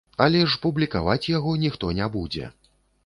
Але ж публікаваць яго ніхто не будзе.